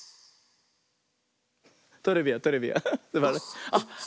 トレビアントレビアン。